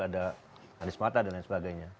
ada anies mata dan lain sebagainya